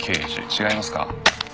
違いますか？